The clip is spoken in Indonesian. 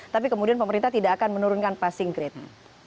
tapi kemudian pemerintah tidak akan menurunkan passing grade